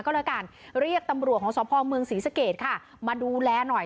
ก็แล้วกันเรียกตำรวจของสพเมืองศรีสเกตค่ะมาดูแลหน่อย